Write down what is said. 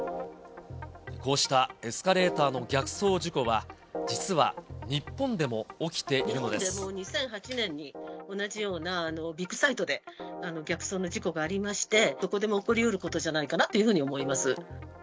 こうしたエスカレーターの逆走事故は、日本でも２００８年に同じような、ビッグサイトで逆走の事故がありまして、どこでも起こりうることじゃないかなというふうに思います。